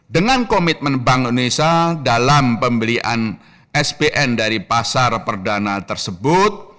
dengan komitmen bank indonesia dalam pembelian spn dari pasar perdana tersebut